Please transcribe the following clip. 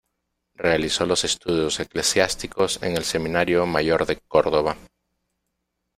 Realizó los estudios eclesiásticos en el Seminario Mayor de Córdoba.